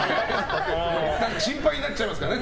心配になっちゃいますからね